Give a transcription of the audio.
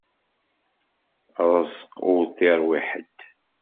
Ṛṛeẓq ur t-iṛwi ḥedd.